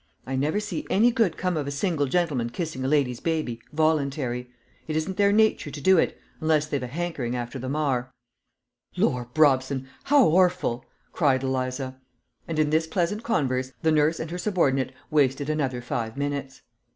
I never see any good come of a single gentleman kissing a lady's baby, voluntary. It isn't their nature to do it, unless they've a hankering after the mar." "Lor, Brobson, how horful!" cried Eliza. And in this pleasant converse, the nurse and her subordinate wasted another five minutes.